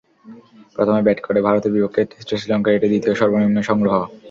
প্রথমে ব্যাট করে ভারতের বিপক্ষে টেস্টে শ্রীলঙ্কার এটি দ্বিতীয় সর্বনিম্ন সংগ্রহ।